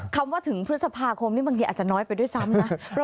คำว่าถึงพฤษภาคมนี่บางทีอาจจะน้อยไปด้วยซ้ำนะ